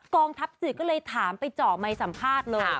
กองทัพสื่อก็เลยถามไปเจาะไมค์สัมภาษณ์เลย